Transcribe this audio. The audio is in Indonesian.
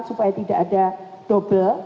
supaya tidak ada double